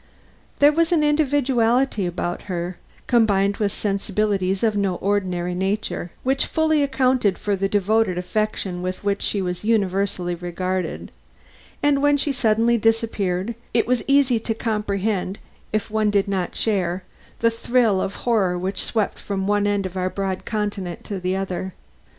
There was an individuality about her, combined with sensibilities of no ordinary nature, which fully accounted for the devoted affection with which she was universally regarded; and when she suddenly disappeared, it was easy to comprehend, if one did not share, the thrill of horror which swept from one end of our broad continent to the other.